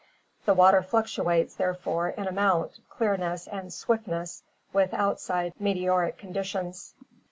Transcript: The water fluctuates, therefore, in amount, clearness, and swiftness with outside meteoric conditions.